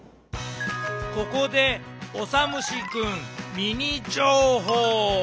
ここでオサムシくんミニ情報！